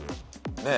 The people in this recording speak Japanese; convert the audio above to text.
ねえ。